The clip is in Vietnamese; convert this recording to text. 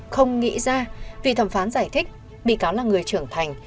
không nghĩ ra vì thẩm phán giải thích bị cáo là người trưởng thành